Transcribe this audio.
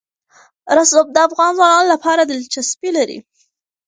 رسوب د افغان ځوانانو لپاره دلچسپي لري.